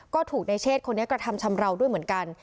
ก็ถูกในเชศคนนี้กระทำชำราวด้วยเหมือนกัน